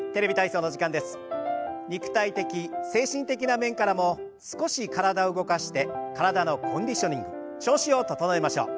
肉体的精神的な面からも少し体を動かして体のコンディショニング調子を整えましょう。